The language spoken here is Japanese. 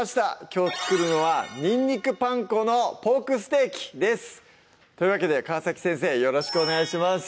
きょう作るのは「にんにくパン粉のポークステーキ」ですというわけで川先生よろしくお願いします